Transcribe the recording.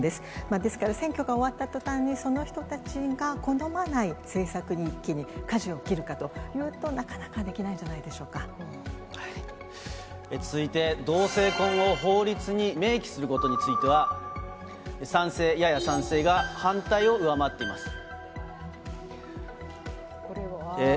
ですから、選挙が終わったとたんに、その人たちが好まない政策に一気にかじを切るかというと、なかな続いて、同性婚を法律に明記することについては、賛成、やや賛成が反対をこれは。